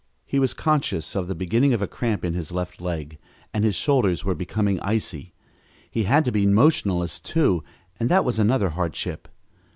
He was conscious of the beginning of a cramp in his left leg and his shoulders were becoming icy. He had to be motionless, too, and that was another hardship.